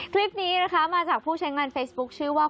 คลิปนี้นะคะมาจากผู้ใช้งานเฟซบุ๊คชื่อว่า